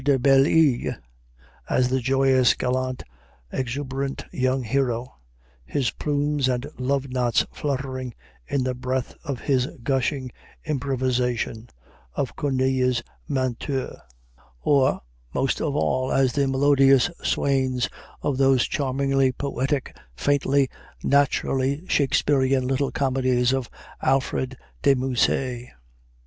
De Belle Isle"; as the joyous, gallant, exuberant young hero, his plumes and love knots fluttering in the breath of his gushing improvisation, of Corneille's "Menteur"; or, most of all, as the melodious swains of those charmingly poetic, faintly, naturally Shakespearean little comedies of Alfred de Musset.